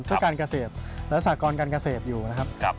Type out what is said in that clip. เพื่อการเกษตรและสากรการเกษตรอยู่นะครับ